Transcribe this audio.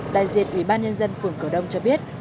đại diện ủy ban nhân dân phường cửa đông cho biết